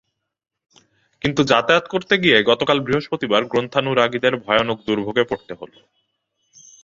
কিন্তু যাতায়াত করতে গিয়ে গতকাল বৃহস্পতিবার গ্রন্থানুরাগীদের ভয়ানক দুর্ভোগে পড়তে হলো।